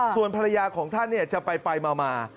ส่วนภรรยาของท่านจะไปมา